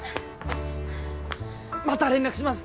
また連絡します。